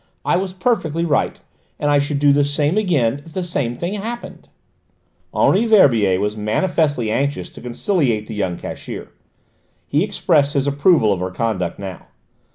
I was perfectly right; and I should do the same again, if the same thing happened." Henri Verbier was manifestly anxious to conciliate the young cashier. He expressed his approval of her conduct now.